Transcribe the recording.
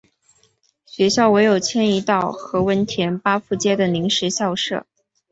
学校唯有迁移到何文田巴富街的临时校舍。